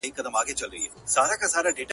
يا غوړ غړی، يا موړ مړی.